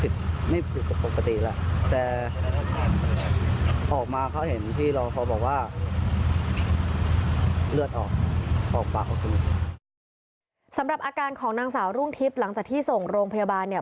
สำหรับอาการของนางสาวรุ่งทิพย์หลังจากที่ส่งโรงพยาบาลเนี่ย